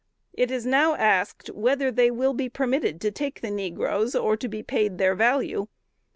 It is now asked, whether they will be permitted to take the negroes, or be paid their value?